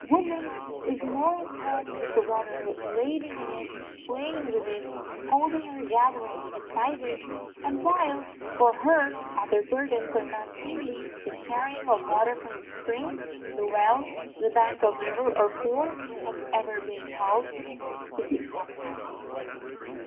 Woman is more at home with the water, laving in it, playing with it, holding her gatherings beside it; and while, for her, other burdens are not seemly, the carrying of water from the spring, the well, the bank of river or pool, has ever been held to become her.